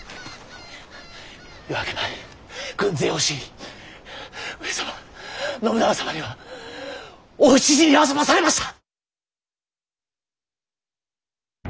夜明け前軍勢押し入り上様信長様にはお討ち死にあそばされました！